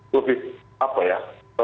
lebih apa ya